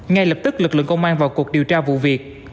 ngay lập tức lực lượng công an vào cuộc điều tra vụ việc